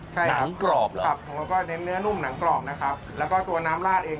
ใช่หนังกรอบแล้วครับแล้วก็เน้นเนื้อนุ่มหนังกรอบนะครับแล้วก็ตัวน้ำลาดเอง